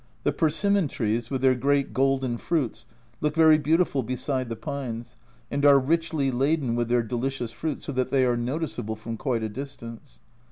The per simmon trees, with their great golden fruits, look very beautiful beside the pines, and are richly laden with their delicious fruit, so that they are noticeable from quite a distance.